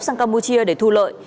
sang campuchia để thu lợi